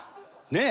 ねえ。